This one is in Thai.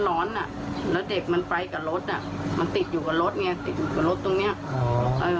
ร้อนอ่ะแล้วเด็กมันไปกับรถอ่ะมันติดอยู่กับรถไงติดอยู่กับรถตรงเนี้ยอ๋อเอ่อ